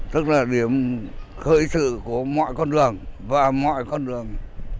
tức là điểm khởi sự của mọi con đường và mọi con đường